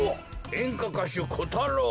えんかかしゅコタロウ！